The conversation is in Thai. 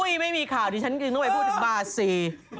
อุ๊ยไม่มีข่าวดิฉันต้องไปพูดบาซี